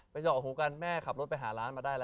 เจาะหูกันแม่ขับรถไปหาร้านมาได้แล้ว